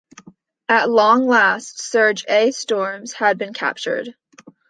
At long last, Serge A. Storms has been captured.